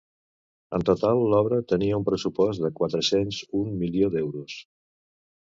En total, l’obra tenia un pressupost de quatre-cents un milió d’euros.